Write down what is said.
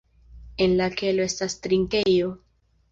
En la kelo estas trinkejo.